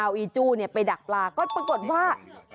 เอาอีจู้เนี่ยไปดักปลาก็ปรากฏว่า